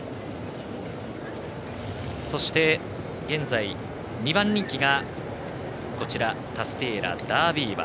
そして、現在、２番人気がタスティエーラ、ダービー馬。